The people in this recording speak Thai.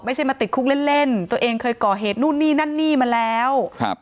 ไม่ใช่มาติดคุกเล่นเล่นตัวเองเคยก่อเหตุนู่นนี่นั่นนี่มาแล้วครับ